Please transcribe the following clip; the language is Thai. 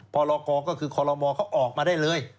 พรกรก็คือคอลโลมเขาออกมาได้เลย